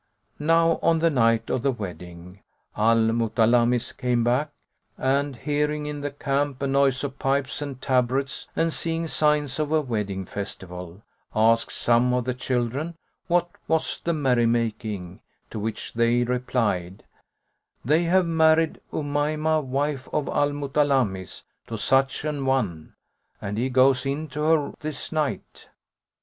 Now on the night of the wedding, Al Mutalammis came back and, hearing in the camp a noise of pipes and tabrets and seeing signs of a wedding festival, asked some of the children what was the merry making, to which they replied, "They have married Umaymah wife of Al Mutalammis, to such an one, and he goes in to her this night."